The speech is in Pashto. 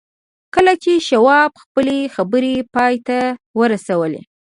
کله چې شواب خپلې خبرې پای ته ورسولې